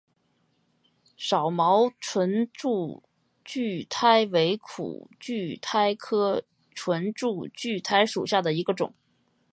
少毛唇柱苣苔为苦苣苔科唇柱苣苔属下的一个种。